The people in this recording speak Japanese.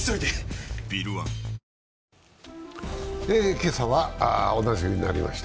今朝はおなじみになりました、